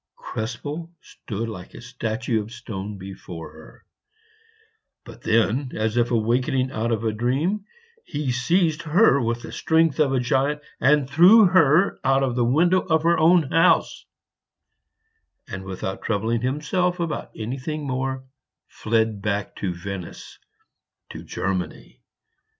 Krespel stood like a statue of stone before her; but then, as if awakening out of a dream, he seized her with the strength of a giant and threw her out of the window of her own house, and, without troubling himself about anything more, fled back to Venice to Germany.